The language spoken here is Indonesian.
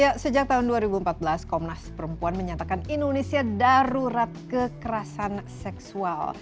ya sejak tahun dua ribu empat belas komnas perempuan menyatakan indonesia darurat kekerasan seksual